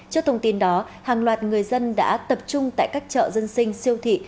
trước thông tin đó hàng loạt người dân đã tập trung tại các chợ dân sinh siêu thị